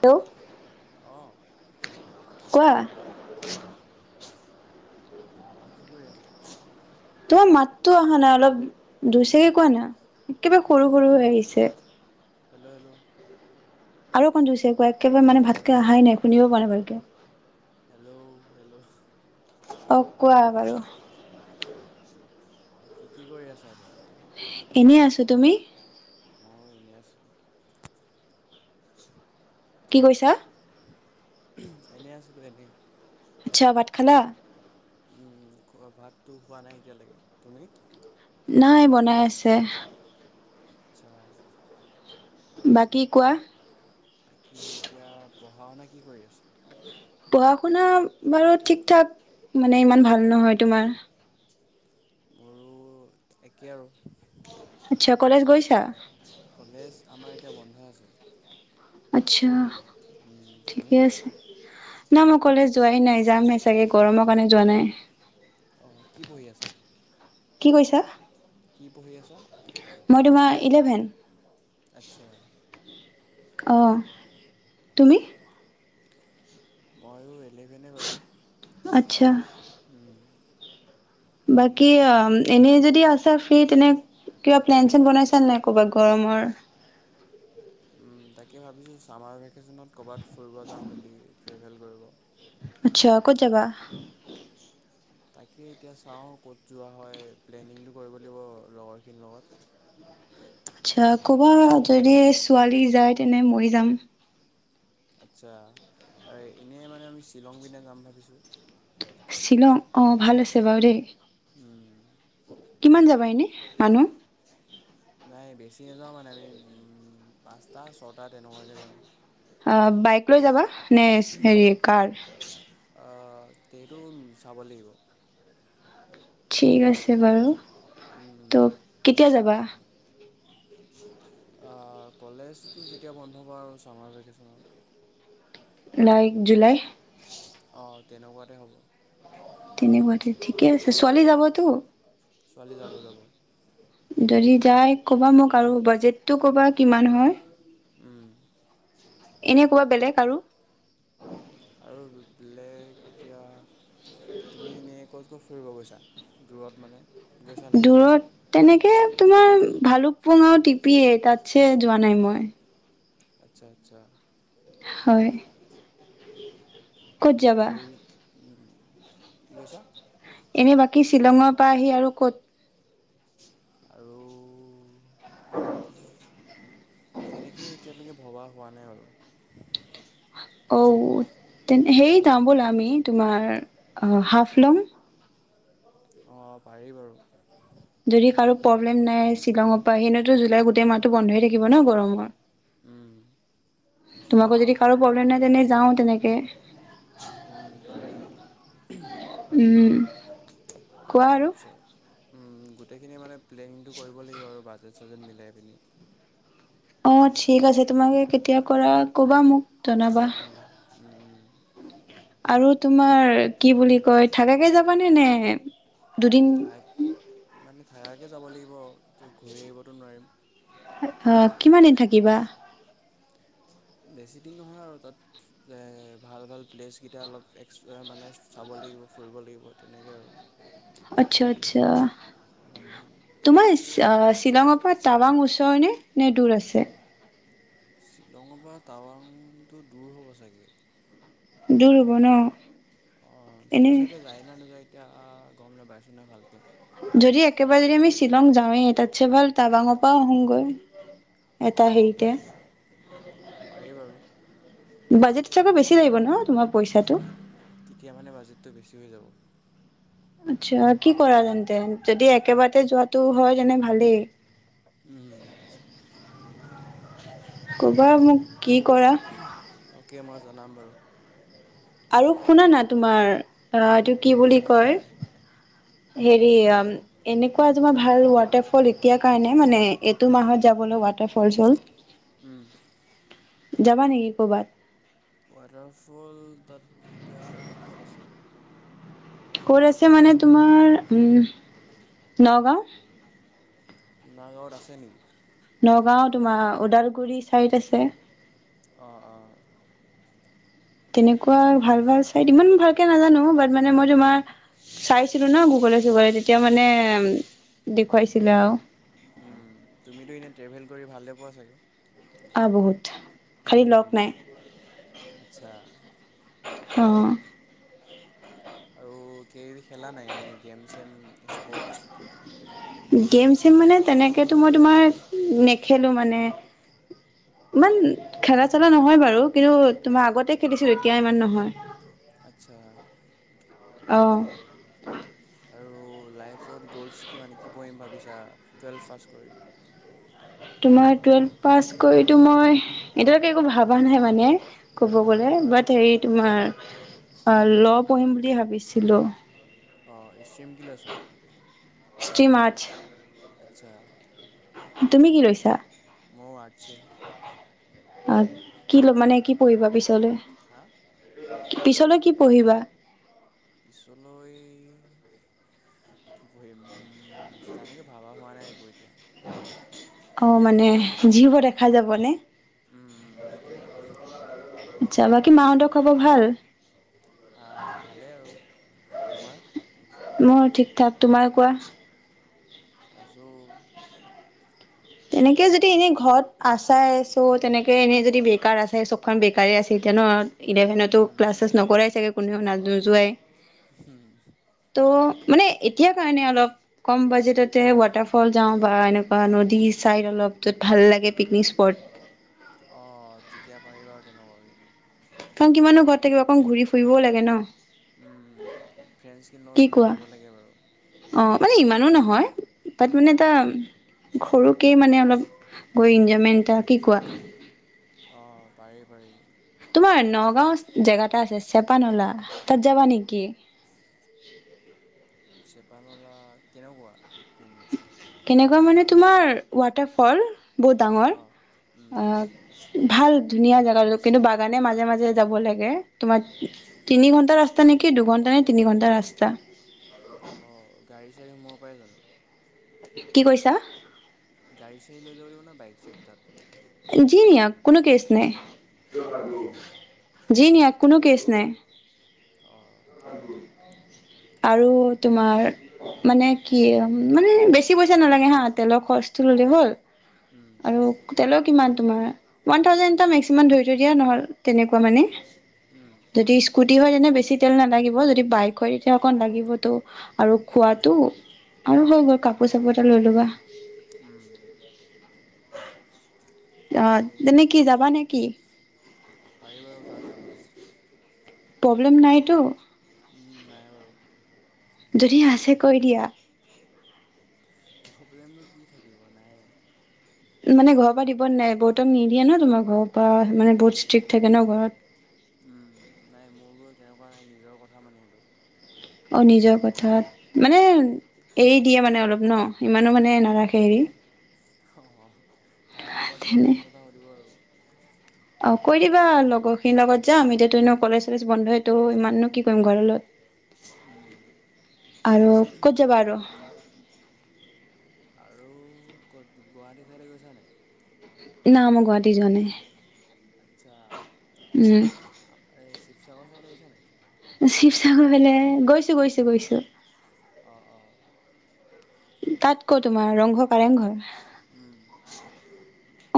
টো অ' কোৱা? আ' কি কৰি আছা? তো মাতটো অহা নাই, অলপ জোৰছেকে কোৱা না। কিবা সৰু-সৰু হৈ আহিছে। হেল্ল', -হেল্ল', আৰু অকণ জোৰছে কোৱা, একেবাৰে মানে ভালকে অহাই নাই শুনিব পৰা নাই ভালকে। হেল্ল'-হেল্ল', অ' কোৱা বাৰু। বাকী কি কৰি আছা এতিয়া? এনেই আছো, তুমি? মইয়ো এনেই আছো। কি কৈছা? এনেই আছিলো এনেই। আচ্ছা, ভাত খালা? উম, ভাতটো হোৱা নাই এতিয়ালৈকে তুমি? নাই, বনাই আছে। আচ্ছা। বাকী কোৱা? বাকী এতিয়া পঢ়া শুনা কি কৰি আছ? পঢ়া-শুনা বাৰু ঠিকথাক, মানে ইমান ভাল নহয় তোমাৰ? মোৰো একেই আৰু। আচ্ছা, কলেজ গৈছা? কলেজ, আমাৰ এতিয়া বন্ধ আছে। আচ্ছা, উম, তুমি ঠিকে আছে। না, মই ক'লে যোৱাই নাই। যামহে চাগে, গৰমৰ কাৰণে যোৱা নাই। অ' কি পঢ়ি আছা? কি কৈছা? কি পঢ়ি আছা? মই তোমাৰ ইলেভেন। আচ্ছা। অ' তুমি? মইও, ইলেভেনে বাৰু। আচ্ছা। উম। বাকী, অ' এনে যদি আছা ফ্ৰী, তেনে কিবা প্লেন-চেন বনাইছা নে নাই, কিবা গৰমৰ? উম, তাকে ভাবিছোঁ, চামাৰ ভেকেচনত। ক'ৰবাত ফুৰিব যাম বুলি। ট্ৰেভেল কৰিব। আচ্ছা, ক'ত যাবা? তাকে এতিয়া চাওঁ, ক'ত যোৱা হয়। প্লেনিংটো কৰিব লাগিব, লগৰখিনিৰ লগত। আচ্ছা, ক'বা, যদি ছোৱালী যায়, তেনে মইও যাম। আচ্ছা, এনে মানে আমি শ্বিলং পিনে যাম ভাবিছো। শিলং। অ', ভাল আছে বাৰু দেই। উম, কিমান যাবা এনেই মানুহ? নাই, বেছি নাযাওঁ মানে আমি, উম পাঁচটা-ছটা তেনেকুৱাকে যাম। আ বাইক লৈ যাবা নে, হেৰি কাৰ? আ টেইটোন চাব লাগিব। ঠিক আছে বাৰু। উম, উম। তোপ কেতিয়া যাবা? আ কলেজটো যেতিয়া বন্ধ হ'ব আৰু সামাৰ ভেকেচনত লাইক জুলাই। অ তেনেকুৱাতে হ'ব। তেনেকুৱাতেই ঠিকে আছে, ছোৱালী যাবতো? ছোৱালী যাব, যাব। যদি যায় ক'বা মোক আৰু বাজেটটো ক'বা, কিমান হয়? উম। এনেকুৱা বেলেগ আৰু? আৰু বে বেলেগ এতিয়া? তুমি ইনে কছ ক'ত ফুৰিব গৈছা, দূৰত মানে? গৈছা নাই দূৰত তেনেকে তোমাৰ ভালুকপুং আও টিপিয়ে তাতছে যোৱা নাই মই। আচ্ছা, আচ্ছা। হয় ক'ত এনেই যাবা যে উম কি কৈছা এনে বাকী শ্বিলঙৰ পৰা আহি আৰু ক'ত আৰু তেনেকে এতিয়ালৈকে ভবা হোৱা নাই বাৰু অও তে সেই যাম বলা আমি তোমাৰ হাফ লম অ পাৰি বাৰু যদি কাৰো প্ৰব্লেম নাই শ্বিলঙৰ পৰা সেইনেতো জুলাই গোটেই মাহটো বন্ধ হৈ থাকিব ন গৰমৰ তোমাকো যদি কাৰো প্ৰব্লেম নাই তেনে যাও তেনেকে উম পাৰি উম কোৱা আৰু চ উম গোট গোটেইখিনি মানে প্লেনিংটো কৰিব লাগিব আৰু বাজেট চাজেট মিলাই পিনি অ ঠিক আছে তোমাকে কেতিয়া কৰা কবা মোক জনাবা আৰু তোমাৰ কি বুলি কয় থাকাকে যাবানে নে দুদিন ঠাইত মানে থাকা কে যাব লাগিব ত ঘূৰি আহিবতো নোৱাৰিম। অ কিমান দিন থাকিবা। বেছিদিন নহয় আৰু তাত ভাল ভাল প্লেচকেইটা অলপ এক্সপ্ মানে চাব লাগিব ফুৰিব লাগিব তেনেকে আৰু আচ্ছা আচ্ছা তোমাৰ শ্বিলঙৰ পৰা টাৱাং ওচৰণে নে দূৰ আছে? শ্বিলঙৰ পৰা টাৱাংটো দূৰ হ'ব চাগে দূৰ হ'ব ন অ এনে সেইটো চাইদে যায় ন নাযায়? অ গম নোপাইছো নহয় ভালকে, যদি একেবাৰে যদি আমি শ্বিলং যাওঁৱেই তাতছে ভাল টাৱাঙৰ পৰা আহুংগৈ অ পাৰি অ পাৰি বাৰু বাজেট চাগে বেছি লাগিব ন তোমাৰ পইচাটো তেতিয়া মানে বাজেটটো বেছি হৈ যাব। আচ্ছা কি? কৰা তেন্তে যদি একেবাৰতে যোৱাটো হয় তেনে ভালেই। ক'বাই মোক কি কৰা অ'কে মই জনাম বাৰু আৰু শুনা না তোমাৰ অ এইটো কি বুলি কয়? হেৰি অ কোৱা এনেকুৱা তোমাৰ ভাল ৱাটাৰ ফল এতিয়া কাৰণে মানে এইটো মাহত যাবলে [unintelligible] যাবা নেকি ক'বাত ৱাটাৰফল তাত এতিয়া ক'ত আছে? ক'ত আছে মানে তোমাৰ নগাঁও। নগাঁৱত আছে নেকি? নগাঁও তোমাৰ ওদালগুৰি ছাইড আছে। অ অ তেনেকুৱা ভাল ভাল চাই ইমান ভালকে নাজানো বাট মানে মই তোমাৰ চাইছিলো ন গুগলে চুগলে তেতিয়া মানে দেখুৱাইছিলে আৰু উম তুমিতো এনে ট্ৰেভেল কৰি ভাললে পোৱা চাগে? আ বহুত খালি লগ ম নাই আচ্ছা অ আৰু কিবাকিবি খেলা নাই নেই game same sports game same মানে তেনেকেতো মই তোমাৰ নেখেলো মানে ইমান খেলা চেলা নহয় বাৰু কিন্তু তোমাৰ আগতে খেলিছিলো তেতিয়া ইমান নহয়। আচ্ছা। অহ', আৰু লাইফত গ'লছ কি মানে কি পঢ়িম ভাবিছা টুৱেলভ পাছ কৰি। তোমাৰ টুৱেলভ পাছ কৰিতো মই এতিয়ালৈকে একো ভবা নাই মানে। ক'ব গ'লে বাট হেৰি তোমাৰ। অহ', ল পঢ়িম বুলি ভাবিছিলো। অহ', ষ্ট্ৰীম কি লৈছা। ষ্ট্ৰীম আৰ্টছ আচ্ছা। তুমি কি লৈছা? মইও আৰ্টছে। অহ', কি ল মানে কি পঢ়িবা পিছলৈ? হাহ', পিছলৈ কি পঢ়িবা? পিছলৈ? কি পঢ়িম? উম', তনেকে ভাবা হোৱা নাই। বুজা অহ', মানে যি হব দেখা যাব নে। উম', - উম', সেইটোৱে আৰু। যাবাকী মাহঁতৰ খবৰ ভাল? আঁহ', ভালেই আৰু তোমাৰ? মোৰ ঠিক ঠাক তোমাৰ কোৱা? আছো। তেনেকে যদি এনে। ঘৰত আচাই। ত', তেনেকৈ এনেই যদি বেকাৰ আছে চবখন বেকাৰেই আছে তেতিয়া ন। ইলেভেনতো ক্লাছেছ নকৰাই চাগে। কোনেও না নোযোৱাই। হম', তহ', মানে এতিয়া কাৰণে অলপ। কম বাজেটটে ৱাটাৰফল। যাওঁ বা এনেকুৱা নদী। ছাইড অলপ য'ত ভাল লাগে পিকনিক স্পট। অহ', তেতিয়া পাৰিবা আৰু তেনেকুৱাকে। কাৰণ কিমানৰ ঘৰত থাকিব অকণ ঘূৰি ফুৰিবও লাগে ন। ফ্ৰেণ্ডছখিনিৰ লগত কি ওলাই কোৱা? যাব লাগে বাৰু অহ', মানে ইমানো নহয়। পাত মানে ত সৰুকেই মানে অলপ গৈ এনজয়মেণ্ট এটা কি কোৱা? অহ', পাৰি -পাৰি তোমাৰ নগাঁও জেগা এটা আছে চেপানলা তাত যাবা নেকি? চেপানলা কেনেকুৱা। এনেই এনেকুৱা মানে তোমাৰ ৱাটাৰ ফল বহুত ডাঙৰ অ', উম, ভাল ধুনীয়া জাগা কিন্তু বাগানে মাজে মাজে যাব লাগে তোমাৰ তিনি ঘণ্টা ৰাস্তা নেকি দুঘণ্টা নে তিনি ঘণ্টা ৰাস্তা। অ গাড়ী চাড়ী সোমাব পৰে জানো? কি কৈছা? গাড়ী চাড়ী লৈ যাব লিব ন বাইক চাইক তাত যি নিয়ক কোনো কেছ নাই। উম, জি নিয়ক কোনো কেছ নাই অ', আৰু আৰু তোমাৰ মানে কি মানে বেছি পইচা নালাগে হা তেলৰ খৰচটো ল'লে হ'ল, উম, আৰু তেলৰ কিমান তোমাৰ ৱানথাউজেণ্ড এটা মেক্সিমাম ধৰি থৈ দিয়া নহ তেনেকুৱা মানে। উম, যদি স্কুটি হয় তেনে বেছি তেল নালাগিব যদি বাইক হয় তেতিয়া অকণ লাগিবতো আৰু খোৱাটো আৰু হৈ গ'ল কাপোৰ চাপোৰ এটা লৈ ল'বা। উম। আহ আৰু তেনে কি যাবা নে কি? পাৰি বাৰু তাত যাবলৈ, প্ৰব্লেম নাইটো? নাই বাৰু। যদি আছে কৈ দিয়া। প্ৰব্লেমটো কি থাকিব নাই। মানে ঘৰৰ পৰা দিব নাই বহুতক নিদিয়ে ন তোমাৰ ঘৰৰ পৰা মানে বহুত ষ্ট্ৰিক্ট থাকে ন ঘৰত। উম নাই মোৰ বাও তেনেকুৱা নাই নিজৰ কথা মানে সেইটো। অ নিজৰ কথাত, মানে এৰি দিয়ে মানে অলপ ন। ইমানো মানে উম, নাৰাখে হেৰি। অ'। কাৰ লগত যোৱাৰ তেনে সেইবোৰ কথা সুধিব আৰু। অ' কৈ দিবা লগৰখিনিৰ লগত যাম, এতিয়াতো এনেও কলেজ চলেজ বন্ধইটো, ইমাননো কি কৰিম ঘৰ লগত। উম, আৰু, ক'ত যাবা আৰু? আৰু, ক'ত গুৱাহাটী চাইডে গৈছা নে? এ না মই গুৱাহাটী যোৱা নাই। আটছা, উম, আ এ চি শিৱসাগৰ ছাইদে আহিছা নাই? শিৱসাগৰ ফালে, গৈছো, গৈছো, গৈছো। অ', অ'। তাত ক তোমাৰ, ৰংঘৰ কাৰেংঘৰ? উম।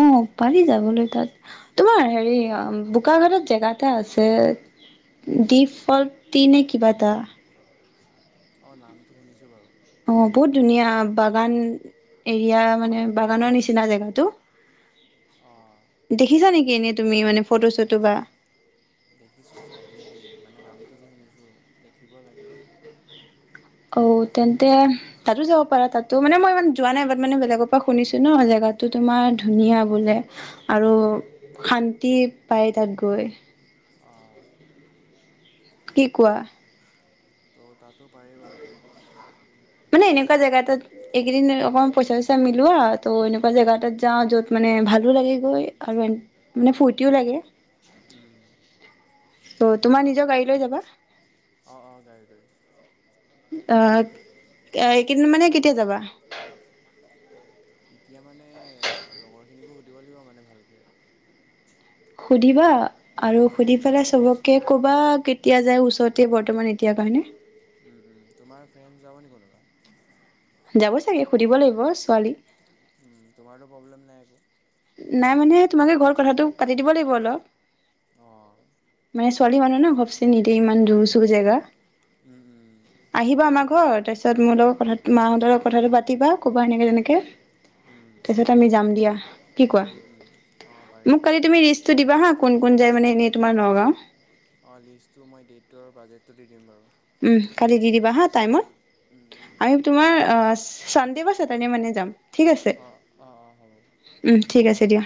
অ' পাৰি যাবলৈ তাত, তোমাৰ হেৰি বোকাঘাটত জেগা এটা আছে, ডিপ ফল্টটি নে কিবা এটা। অ, ' নামটো শুনিছো বাৰু। অ', বহুত ধুনীয়া, বাগান এৰিয়া মানে বাগানৰ নিচিনা জেগাটো। অঁ দেখিছা নেকি? কেনে তুমি মানে ফটো- চটো বা, দেখিছো চাগে দেই, মানে নাম, এইটোটো শুনিছোঁ, দেখিব লাগে। অও, তেন্তে, তাতো যাব পাৰা। তাতো মানে মই ইমান যোৱা নাই বাট মানে বেলেগৰ পৰা শুনিছো ন ', জেগাতো তোমাৰ ধুনীয়া বোলে। আৰু উম, শান, তিত পায় তাত গৈ। অ', কি কোৱা? ত, মানে এনেকুৱা জেগা এটাত, এইকেইদিন অকমান পইচা- চইচা মিলি, লোৱা ত', এনেকুৱা জেগা এটাত যাও, য'ত মানে ভালো লাগে গৈ আৰু মানে ফূৰ্তিও লাগে। উম, ত' ' তোমাৰ নিজৰ আক', গাড়ী লৈ যাবা অ-অ গাড়ী লৈ। অ', এইকেইদিন মানে কেতিয়া যাবা? এতিয়া মানে লগৰ- খিনিকো সুধিব লাগিব মানে ভালকে। সুধিবা? আৰু সুধি পেলাই চবকে, ক'বা কেতিয়া যায়, ওচৰতে বৰ্তমান এতিয়া কাৰণে। উম, -উম, তোমাৰ ফ্ৰেইণ্ড যাব নি কোনোবা? যাব চাগে সুধিব লাগিব, ছোৱালী। উম, 'তোমাৰটো প্ৰব্লেম নাই একো? নাই মানে, তোমালোকে ঘৰত কথাটো পাতি দিব লাগিব অলপ। অহ ', মানে ছোৱালী মানুহ ন', ঘপচে নিদয়ে ইমান দূৰ- চুৰ জেগা, উম, উম, আহিবা হয় আমাৰ বাৰু ঘৰ সেইটো তাৰপিছত মোৰ লগত কথা মাহঁতৰ লগত কথাটো পাতিবা ক'বা এনেকে- তেনেকে উম, তাৰপিচত আমি যাম দিয়া। উম, উম, অঁ পাৰি [unintelligible] কিবা হা কোন -কোন যায় মানে এনেই তোমাৰ নগাঁও। অহ্ লিষ্টটো মই ডেটটোৰ বাজেটটো দি দিম বাৰু। উম ', কালি দি দিবা হা টাইমত। উম, উম, উম, আমি, তোমাৰ আচ, চানদে বা ছেটাৰডে মানে যাম। ঠিক আছে, অঁ অঁ অঁ হ'ব উম্ ঠিক আছে দিয়া।